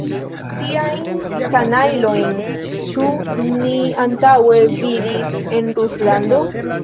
Tiajn kanajlojn ĉu ni antaŭe vidis en Ruslando?